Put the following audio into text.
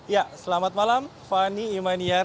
ya selamat malam fani imaniar